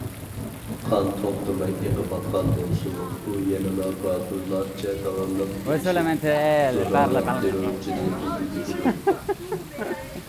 قان توختىماي ئېقىۋاتقان بولسىمۇ، ئۇ يەنىلا باتۇرلارچە داۋاملىق ئېلىشىپ، زوراۋان- تېررورچىنى ئېتىۋېتىدۇ.